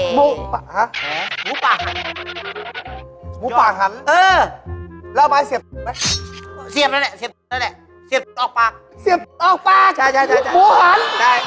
หมูหัน